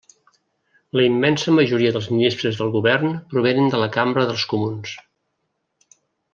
La immensa majoria dels ministres del Govern provenen de la Cambra dels Comuns.